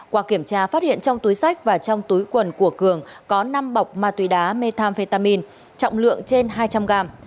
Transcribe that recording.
qua kiểm tra phát hiện trong túi sách và trong túi quần của cường có năm bọc ma túy đá methamphetamin trọng lượng trên hai trăm linh gram